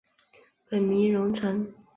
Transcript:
本名融成。